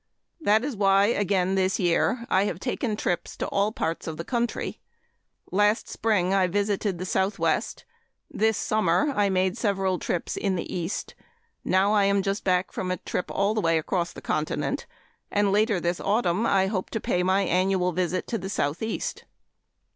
That is why again this year I have taken trips to all parts of the country. Last spring I visited the Southwest. This summer I made several trips in the East. Now I am just back from a trip from a trip all the way across the continent, and later this autumn I hope to pay my annual visit to the Southeast.